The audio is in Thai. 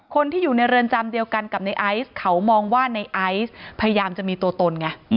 คนที่อยู่ในเรือนจำเดียวกันกับในไอซ์เขามองว่าในไอซ์พยายามจะมีตัวตนไง